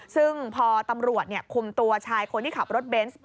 ซึ่งพอตำรวจคุมตัวชายคนที่ขับรถเบนส์